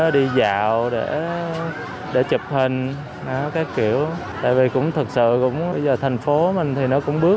đi dạo để chụp hình các kiểu tại vì cũng thật sự cũng bây giờ thành phố mình thì nó cũng bước